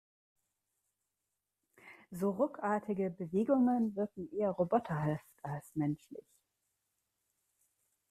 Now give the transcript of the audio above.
So ruckartige Bewegungen wirken eher roboterhaft als menschlich.